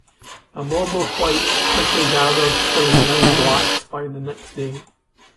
A mob of whites quickly gathered, killing nine blacks by the next day.